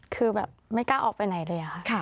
คือแบบไม่กล้าออกไปไหนเลยค่ะ